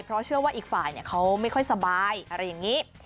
เพราะเชื่อว่าอีกฝ่ายเขาไม่ค่อยสบายอะไรอย่างนี้